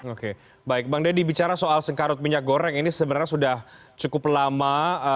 oke baik bang deddy bicara soal sengkarut minyak goreng ini sebenarnya sudah cukup lama